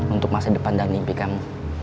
untuk masa depan dan mimpi kamu